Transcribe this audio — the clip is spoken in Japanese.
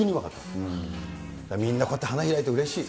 みんなこうやって花開いてうれしい。